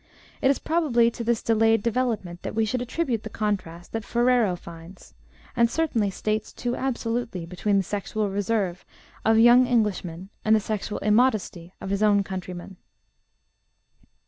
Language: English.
It is probably to this delayed development that we should attribute the contrast that Ferrero finds (L'Europa Giovane, pp. 151 56), and certainly states too absolutely, between the sexual reserve of young Englishmen and the sexual immodesty of his own countrymen.